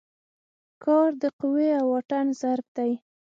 کار د قوې او واټن ضرب دی.